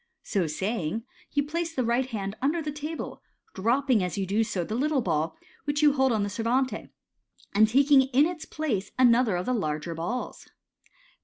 So saying, you place the right hand under the table, dropping as you do so the little ball which you hold on the servante, and taking in its place another of the larger balls.